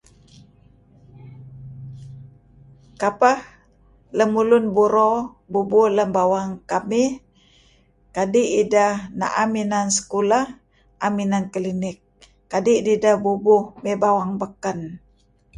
Kapeh lemulun buro bubuh lem bawang kamih kadi' idah na'em inan sekulah am inan kelinik kadi' nideh bubuh mey bawang beken.